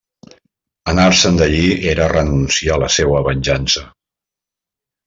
Anar-se'n d'allí era renunciar a la seua venjança.